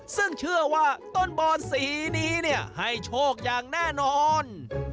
ซึ่งเชื่อว่าต้นบอนสีนี้เนี่ยให้โชคอย่างแน่นอน